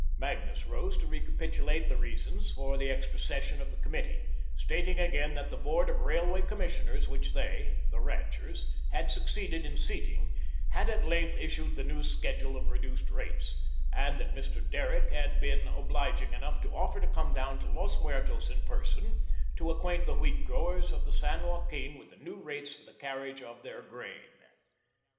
Magnus rose to recapitulate the reasons for the extra session of the Committee, stating again that the Board of Railway Commissioners which they the ranchers had succeeded in seating had at length issued the new schedule of reduced rates, and that Mr. Derrick had been obliging enough to offer to come down to Los Muertos in person to acquaint the wheat growers of the San Joaquin with the new rates for the carriage of their grain.